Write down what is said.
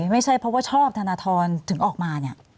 ไม่ใช่เพราะว่าชอบธนทรถึงออกมาเนี่ย